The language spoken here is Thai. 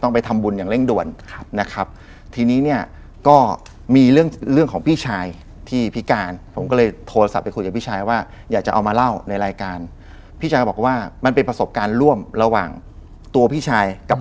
ปกติเราซื้อบ้านมา